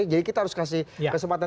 jadi kita harus kasih kesempatan